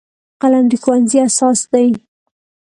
قلم د ښوونځي اساس دی